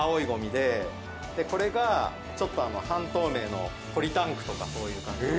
これがちょっと半透明のポリタンクとかそういう感じの。